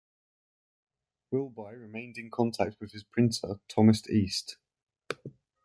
Wilbye remained in contact with his printer Thomas Easte.